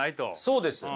そうです。